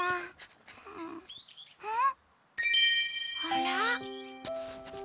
あら。